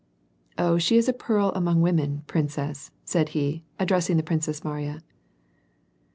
*" Oh, she is a pearl among women, princess !" t said he, ad dressing the Princess Mariya.